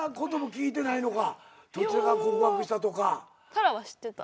紗来は知ってた。